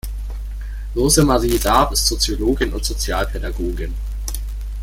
Rosemarie Raab ist Soziologin und Sozialpädagogin.